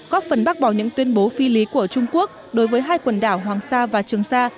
có phần bác bỏ những tuyên bố phi lý của trung quốc đối với hai quần đảo hoàng sa và trường sa